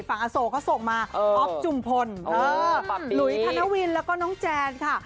อโศกเขาส่งมาอ๊อฟจุมพลหลุยธนวินแล้วก็น้องแจนค่ะ